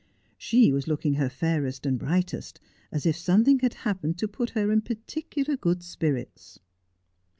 She was looking her fairest and brightest, as if something had happened to put her in particular good spirits.